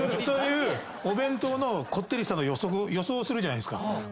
そういうお弁当のこってりしたの予想するじゃないですか。